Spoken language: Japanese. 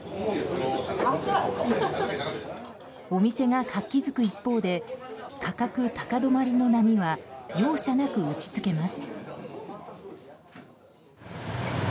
お店が活気づく一方で価格高止まりの波は容赦なく打ち付けます。